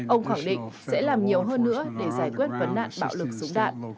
ông khẳng định sẽ làm nhiều hơn nữa để giải quyết vấn nạn bạo lực súng đạn